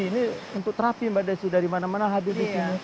ini untuk terapi mbak desi dari mana mana hadir di sini